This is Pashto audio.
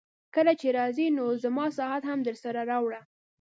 کله چي راځې نو زما ساعت هم درسره راوړه.